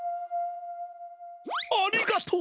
ありがとう！